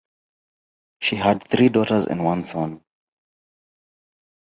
She had three daughters and one son.